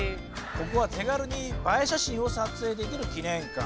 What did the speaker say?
ここは手軽に映え写真を撮影できる記念館。